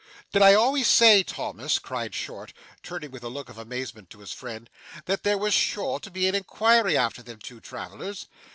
'Did I always say, Thomas,' cried Short, turning with a look of amazement to his friend, 'that there was sure to be an inquiry after them two travellers?